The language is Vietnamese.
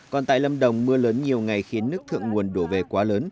còn tại lâm đồng mưa lớn nhiều ngày khiến nước thượng nguồn đổ về quá lớn